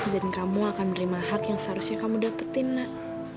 dan kamu akan menerima hak yang seharusnya kamu dapetin nak